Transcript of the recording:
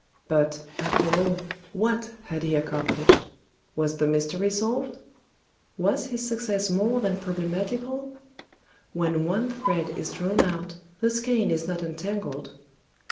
But, after all, what had he accomplished? Was the mystery solved? Was his success more than problematical? When one thread is drawn out, the skein is not untangled.